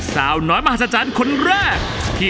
สาวน้อยมหัศจรรย์คนแรก